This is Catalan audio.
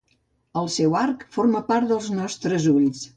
El seu arc forma part dels nostres ulls.